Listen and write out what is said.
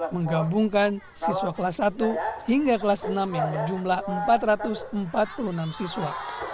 menggabungkan siswa kelas satu hingga kelas enam yang berjumlah empat ratus empat puluh enam siswa